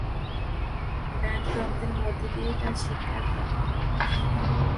বেদগ্রন্থের মধ্য দিয়েই তাঁর শিক্ষার প্রথম প্রকাশ।